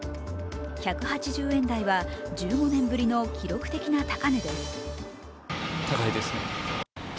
１８０円台は１５年ぶりの記録的な高値です。